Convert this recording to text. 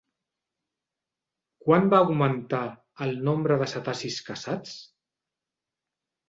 Quan va augmentar el nombre de cetacis caçats?